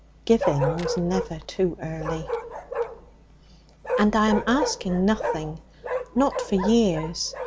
Giving was never too early. 'And I am asking nothing not for years.